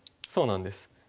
そうなんです。